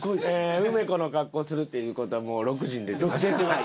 梅子の格好するっていう事はもう６時に出てます。